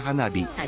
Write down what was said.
はい。